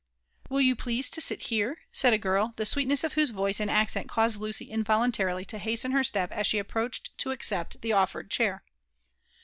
'*'Will you please to sit here? "said a girl, the sweetness of whose voice and accent caused Lucy involuntarily to hasten her stepassfie approached to accept the olfered chair.